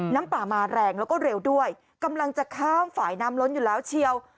น้ำป่ามาแรงแล้วก็เร็วด้วยกำลังจะข้ามฝ่ายน้ำล้นอยู่แล้วเชียว